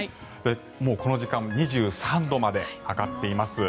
もうこの時間２３度まで上がっています。